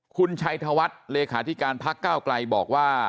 คุณชัยธวัฒน์เลขาธิการพักก้าวไกลบอกว่า